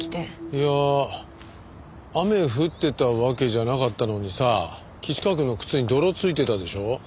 いや雨降ってたわけじゃなかったのにさ岸川くんの靴に泥付いてたでしょ？